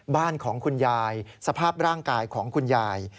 บ้านของคุณยายสภาพร่างกายของคุณยาย